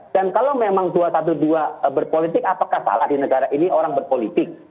dan kalau memang dua ratus dua belas berpolitik apakah salah di negara ini orang berpolitik